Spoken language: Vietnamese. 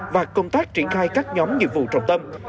và công tác triển khai các nhóm nhiệm vụ trọng tâm